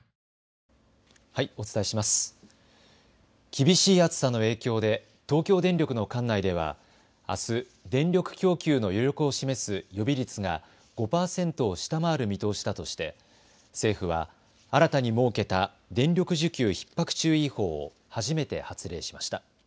厳しい暑さの影響で東京電力の管内ではあす電力供給の余力を示す予備率が５％を下回る見通しだとして政府は新たに設けた電力需給ひっ迫注意報を初めて発令しました。